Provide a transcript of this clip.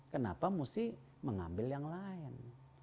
kenapa mesti mengambil yang lain